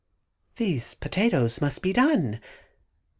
Those potatoes must be done.